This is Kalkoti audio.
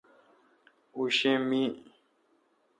اوں شی می